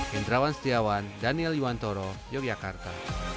ketentuan pt smp yogyakarta